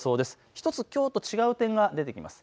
１つ、きょうと違うことが出てきます。